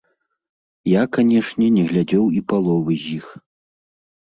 Я, канешне, не глядзеў і паловы з іх.